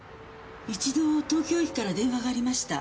一度東京駅から電話がありました。